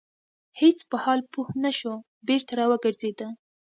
هیڅ په حال پوه نه شو بېرته را وګرځيده.